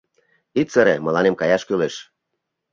— Ит сыре, мыланем каяш кӱлеш.